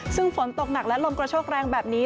ซึ่งฝนตกหนักและลมกระโชกแรงแบบนี้